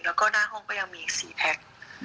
แล้วก็หน้าห้องก็ยังมีอีก๔แพ็ค